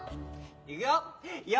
いくよ！